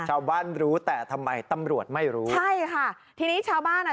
รู้แต่ทำไมตำรวจไม่รู้ใช่ค่ะทีนี้ชาวบ้านอ่ะ